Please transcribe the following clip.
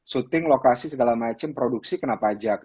syuting lokasi segala macam produksi kena pajak